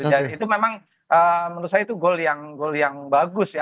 jadi itu memang menurut saya itu gol yang bagus ya